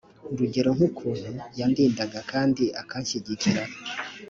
urugero nk ukuntu yandindaga kandi akanshyigikira